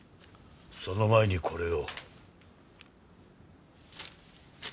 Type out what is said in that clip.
その前にこれを。